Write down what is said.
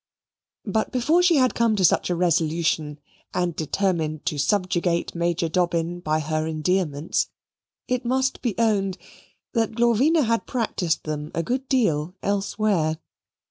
But before she had come to such a resolution and determined to subjugate Major Dobbin by her endearments, it must be owned that Glorvina had practised them a good deal elsewhere.